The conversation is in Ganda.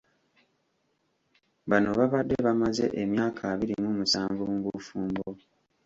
Bano babadde bamaze emyaka abiri mu musanvu mu bufumbo .